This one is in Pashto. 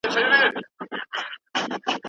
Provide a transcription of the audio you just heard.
اوس مې غاړه کې دی پروت د وهم پړی